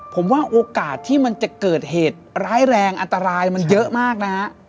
ผมว่าโอกาสที่มันจะเกิดเหตุร้ายแรงอันตรายมันเยอะมากนะฮะ